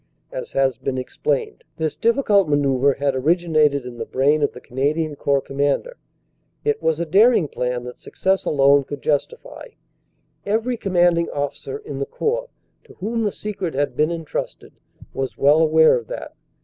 As has been explained, this difficult manoeuvre had originated in the brain of the Canadian Corps Commander. It was a daring plan that success alone could justify. Every commanding officer in the Corps to whom the secret had been entrusted was well THE PLAN OF ATTACK 209 aware of that.